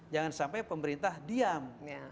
jangan sampai pemerintah diam